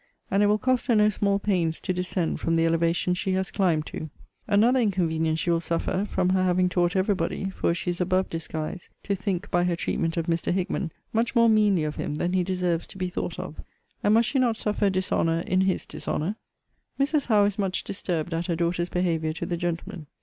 And it will cost her no small pains to descend from the elevation she has climbed to. Another inconvenience she will suffer from her having taught every body (for she is above disguise) to think, by her treatment of Mr. Hickman, much more meanly of him than he deserves to be thought of. And must she not suffer dishonour in his dishonour? Mrs. Howe is much disturbed at her daughter's behaviour to the gentleman.